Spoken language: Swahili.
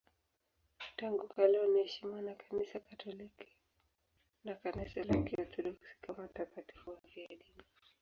Tangu kale wanaheshimiwa na Kanisa Katoliki na Kanisa la Kiorthodoksi kama watakatifu wafiadini.